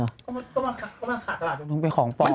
เขามาขาดจนถึงมันเป็นของเปล่ามา